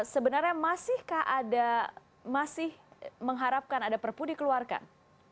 sebenarnya masihkah ada masih mengharapkan ada perpu dikeluarkan